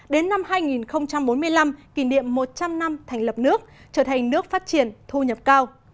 đến năm hai nghìn bốn mươi năm kỷ niệm một trăm linh năm thành lập nước trở thành nước phát triển thu nhập cao